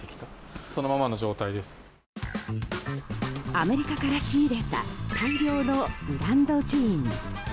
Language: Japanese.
アメリカから仕入れた大量のブランドジーンズ。